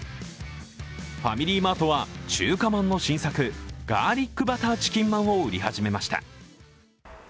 ファミリーマートは、中華まんの新作、ガーリックバターチキンまんを売り始めました。